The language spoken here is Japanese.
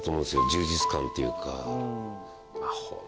充実感というか。